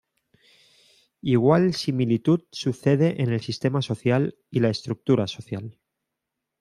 Igual similitud sucede en el "sistema social" y la "estructura social".